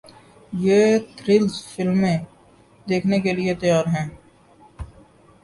یہ تھرلر فلمیں دیکھنے کے لیے تیار ہیں